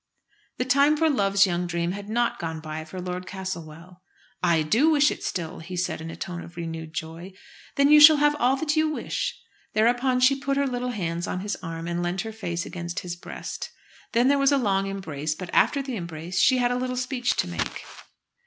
The time for "Love's young dream" had not gone by for Lord Castlewell. "I do wish it still," he said in a tone of renewed joy. "Then you shall have all that you wish." Thereupon she put her little hands on his arm, and leant her face against his breast. Then there was a long embrace, but after the embrace she had a little speech to make.